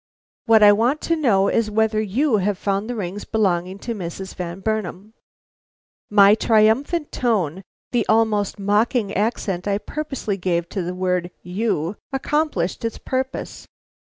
What I want to know is whether you have found the rings belonging to Mrs. Van Burnam?" My triumphant tone, the almost mocking accent I purposely gave to the word you, accomplished its purpose.